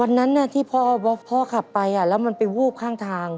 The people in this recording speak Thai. วันนั้นที่พ่อขับไปแล้วมันไปวูบข้างทาง